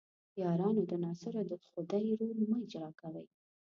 یارانو د ناصرو د خدۍ رول مه اجراء کوئ.